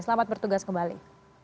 selamat bertugas kembali